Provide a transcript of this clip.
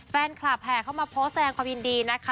แฟนคลับแผ่เข้ามาโพสต์แสดงความยินดีนะคะ